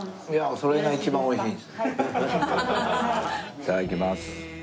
いただきます。